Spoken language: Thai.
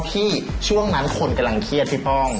ช่วงนั้นคนกำลังเครียดพี่ป้อง